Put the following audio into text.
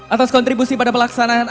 atas kontribusi pada pelaksanaan